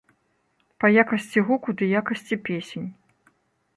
Па якасці гуку ды якасці песень.